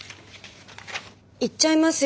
行っちゃいますよ。